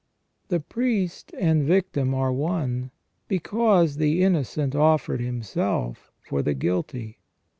The priest and victim are one, because the innocent offered Himself for the guilty.